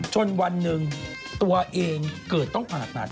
จนวันหนึ่งตัวเองเกิดต้องผ่านอาจารย์